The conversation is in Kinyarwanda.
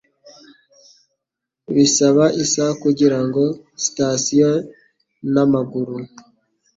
Bisaba isaha kugira ngo sitasiyo n'amaguru